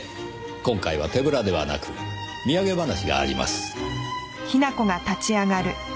今回は手ぶらではなく土産話があります。